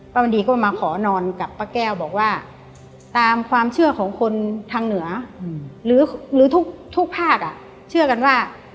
วันดีก็มาขอนอนกับป้าแก้วบอกว่าตามความเชื่อของคนทางเหนือหรือทุกภาคเชื่อกันว่า